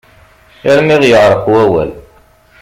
Armi ɣ-yeεreq wawal.